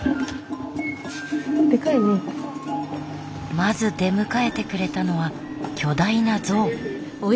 まず出迎えてくれたのは巨大な像。